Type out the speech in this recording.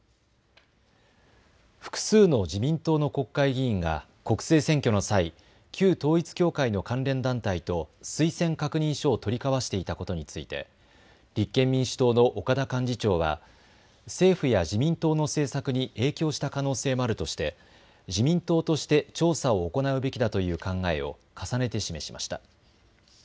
複数の自民党の国会議員が国政選挙の際、旧統一教会の関連団体と推薦確認書を取り交わしていたことについて立憲民主党の岡田幹事長は政府や自民党の政策に影響した可能性もあるとして自民党として調査を行うべきだという考えを重ねて示しました。